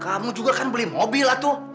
kamu juga kan beli mobil lah tuh